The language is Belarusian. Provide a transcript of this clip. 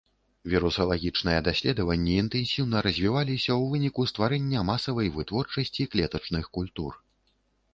Вірусалагічныя даследаванні інтэнсіўна развіваліся ў выніку стварэння масавай вытворчасці клетачных культур.